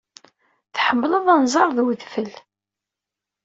Tḥemmled anẓar ed wedfel.